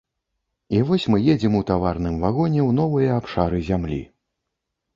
І вось мы едзем у таварным вагоне ў новыя абшары зямлі.